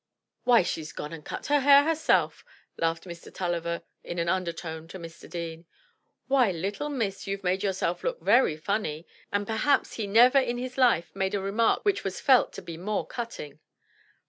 "Why, she's gone and cut her hair herself," laughed Mr. Tulliver in an undertone to Mr. Deane. "Why, little miss, you've made yourself look very funny," said Uncle Pullet and perhaps he never in his life made a remark which was felt to be more cutting.